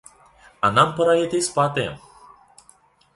А нам пора йти спати!